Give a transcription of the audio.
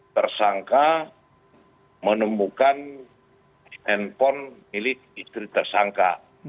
tersangka menemukan handphone milik istri tersangka